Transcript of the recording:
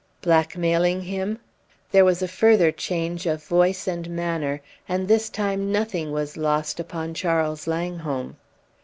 "Blackmailing him?" There was a further change of voice and manner; and this time nothing was lost upon Charles Langholm.